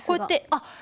あっ！